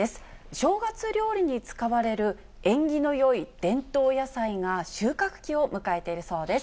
正月料理に使われる縁起のよい伝統野菜が収穫期を迎えているそうです。